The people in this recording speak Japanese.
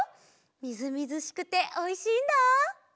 みずみずしくておいしいんだ。